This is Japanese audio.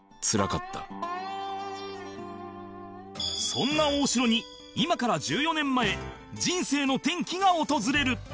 そんな大城に今から１４年前人生の転機が訪れる